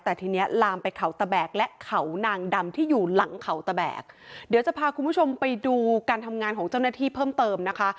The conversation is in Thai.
แต่ทีนี้ลามไปเขาตะแบกและเขานางดำที่อยู่หลังเขาตะแบกเดี๋ยวจะพาคุณผู้ชมไปดูการทำงานของเจ้าหน้าที่เพิ่มเติมนะคะ